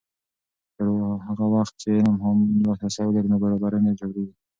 پر هغه وخت چې علم عام لاسرسی ولري، نابرابري نه ژورېږي.